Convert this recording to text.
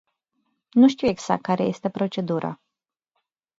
Nu știu exact care este procedura.